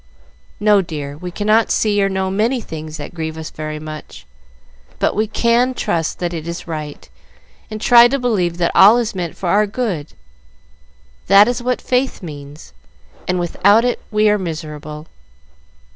"No, dear, we cannot see or know many things that grieve us very much, but we can trust that it is right, and try to believe that all is meant for our good. That is what faith means, and without it we are miserable.